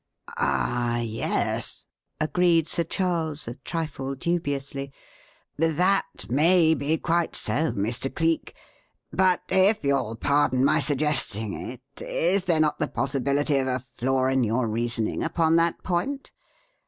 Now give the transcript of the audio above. "Ah, yes," agreed Sir Charles, a trifle dubiously, "that may be quite so, Mr. Cleek; but, if you will pardon my suggesting it, is there not the possibility of a flaw in your reasoning upon that point?